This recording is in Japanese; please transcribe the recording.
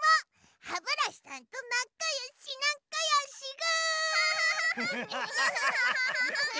ハブラシさんとなかよしなかよしぐ！